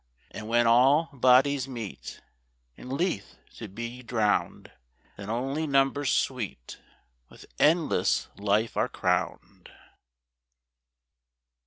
And when all bodies meet In Lethe to be drown'd; Then only numbers sweet With endless life are crown'd.